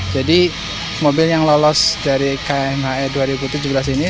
jadi mobil yang lolos dari kmhe dua ribu tujuh belas ini